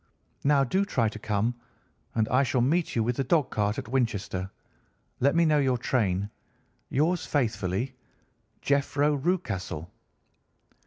Now do try to come, and I shall meet you with the dog cart at Winchester. Let me know your train. Yours faithfully, "'JEPHRO RUCASTLE.